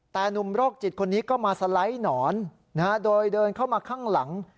แต่หนุ่มโรคจิตคนนี้ก็มาสไลด์หนอนโดยเดินเข้ามาข้างหลัง